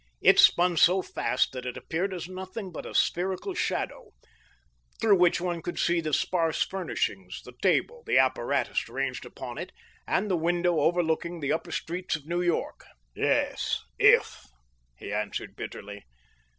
It spun so fast that it appeared as nothing but a spherical shadow, through which one could see the sparse furnishings, the table, the apparatus ranged upon it, and the window over looking the upper streets of New York. "Yes if!" he answered bitterly.